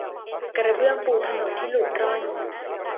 กระเบื้องปูถนนที่หลุดร่อน